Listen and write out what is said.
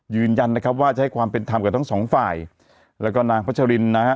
ยืนยันนะครับว่าจะให้ความเป็นธรรมกับทั้งสองฝ่ายแล้วก็นางพัชรินนะฮะ